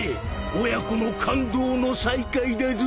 親子の感動の再会だぞ。